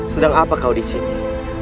sedang apa kau disini